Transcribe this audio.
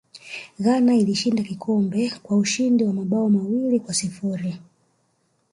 ghana ilishinda kikombe kwa ushindi wa mabao mawili kwa sifuri